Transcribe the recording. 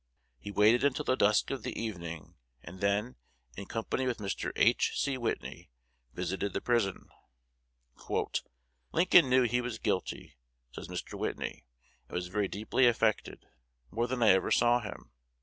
He waited until the dusk of the evening, and then, in company with Mr. H. C. Whitney, visited the prison. "Lincoln knew he was guilty," says Mr. Whitney, "and was very deeply affected, more than I ever saw him.